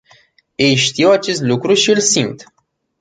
Ei știu acest lucru și îl simt.